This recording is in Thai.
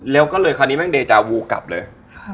แล้วก็เลยคราวนี้แม่งเดจาวูกลับเลย